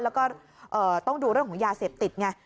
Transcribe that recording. แล้วก็ต้องดูเรื่องของยาเสพติดไง